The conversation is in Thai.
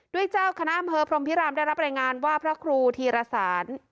เจ้าคณะอำเภอพรมพิรามได้รับรายงานว่าพระครูธีรสาร